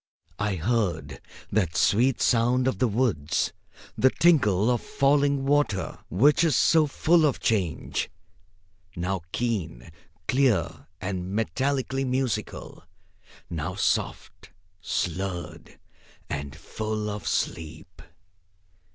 I heard that sweet sound of the woods, the tinkle of falling water, which is so full of change, now keen, clear and metallically musical, now soft, slurred and full of sleep.